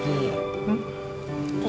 besok mau jualan lagi